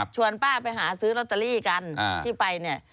ป้าไปหาซื้อลอตเตอรี่กันที่ไปเนี่ย